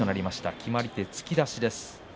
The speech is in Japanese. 決まり手、突き出しです。